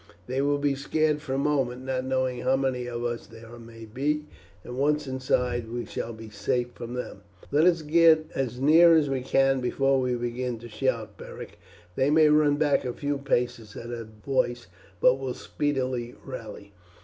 They will be scared for a moment, not knowing how many of us there may be, and once inside we shall be safe from them." "Let us get as near as we can before we begin to shout, Beric. They may run back a few paces at our voice, but will speedily rally."